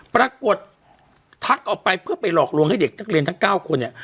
ปรากฏทักออกไปเพื่อไปหลอกลวงให้เด็กนักเรียนทั้ง๙คนเนี่ย